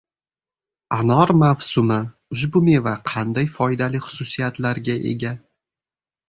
Anor mavsumi: Ushbu meva qanday foydali xususiyatlarga ega?